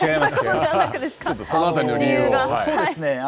その辺りの理由を。